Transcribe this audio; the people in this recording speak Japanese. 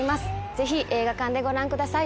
ぜひ映画館でご覧ください